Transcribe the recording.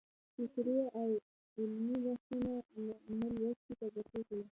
فکري او علمي بحثونه مو لوستې طبقې کوي.